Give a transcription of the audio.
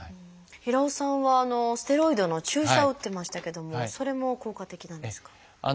平尾さんはステロイドの注射を打ってましたけどもそれも効果的なんですか？